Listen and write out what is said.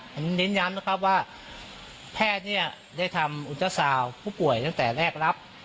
ผมเน้นย้ำนะครับว่าแพทย์เนี่ยได้ทำอุเจ้าสาวผู้ป่วยตั้งแต่แรกรับ